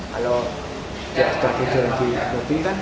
kalau teman teman tidur di mobil kan